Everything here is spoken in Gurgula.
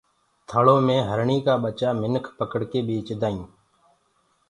ٿݪو مي هرڻي ڪآ ٻچآ منک پکڙڪي ٻيچدآئين